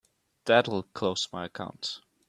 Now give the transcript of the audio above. That'll close my account.